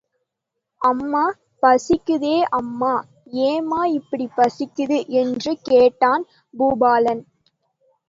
அம்மா, பசிக்குதே, அம்மா ஏம்மா இப்படிப் பசிக்குது? என்று கேட்டான் பூபாலன்.